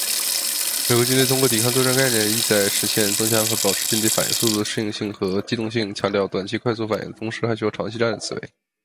美国军队通过“抵抗作战概念”旨在实现“增强和保持军队反应速度、适应性和机动性，强调短期快速反应的同时，还需要长期战略思维。”